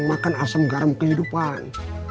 makan asam garam kehidupan